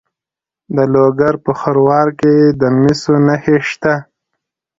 د لوګر په خروار کې د مسو نښې شته.